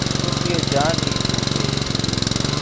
اس لیے جان ہی چھوٹ گئی۔